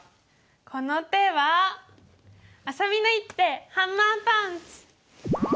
この手はあさみの一手ハンマーパンチ！